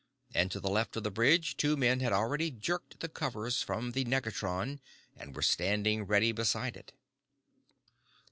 And to the left of the bridge two men had already jerked the covers from the negatron and were standing ready beside it.